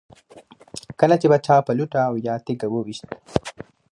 کله به چې چا په لوټه او یا تیږه و ویشت.